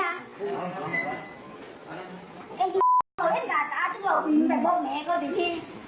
ไอ้ยิ้มเราเอ็ดขาดตาทุกเรามีแต่บอกแม่ก็เป็นที่